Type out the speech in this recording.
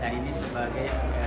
dan ini sebagai